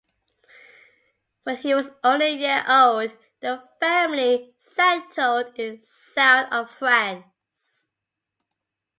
When he was only a year old, the family settled in south of France.